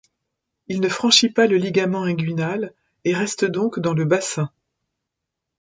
Il ne franchit pas le ligament inguinal et reste donc dans le bassin.